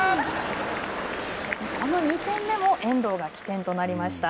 この２点目も遠藤が起点となりました。